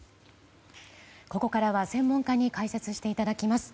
ここからは専門家に解説していただきます。